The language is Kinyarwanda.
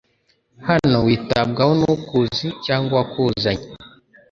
hano witabwaho nukuzi cyangwa uwakuzanye